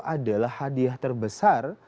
adalah hadiah terbesar